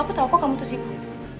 aku tau kok kamu tuh sibuk